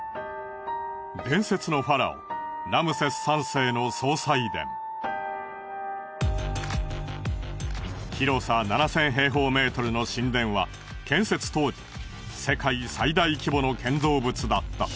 伝説のファラオ広さ７，０００平方メートルの神殿は建設当時世界最大規模の建造物だった。